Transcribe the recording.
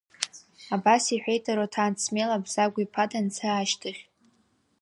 Абас иҳәеит Аруҭан, Смел Абзагә-иԥа данца ашьҭахь.